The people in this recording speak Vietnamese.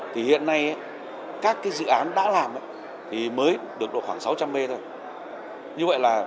thì hiện nay các cái dự án đã làm thì mới được độ khoảng sáu trăm linh mwp thôi